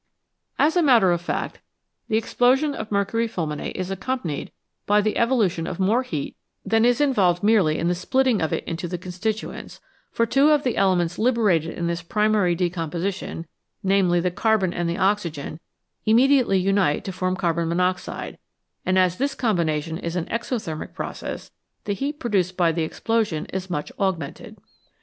As a matter of fact, the explosion of mercury fulminate is accompanied by the evolution of more heat than is involved merely in the splitting of it into the constituents, for two of the elements liberated in this primary decom position, namely, the carbon and the oxygen, immediately unite to form carbon monoxide, and as this combination is an exothermic process, the heat produced by the explosion is much augmented.